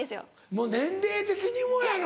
もう年齢的にもやろ？